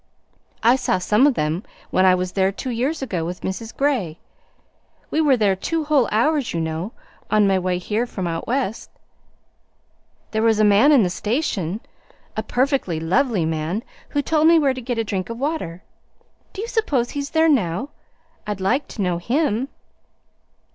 I saw some of them when I was there two years ago with Mrs. Gray. We were there two whole hours, you know, on my way here from out West. "There was a man in the station a perfectly lovely man who told me where to get a drink of water. Do you suppose he's there now? I'd like to know him.